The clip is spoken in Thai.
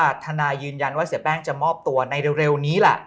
ทนายยืนยันว่าเสียแป้งจะมอบตัวในเร็วนี้ล่ะ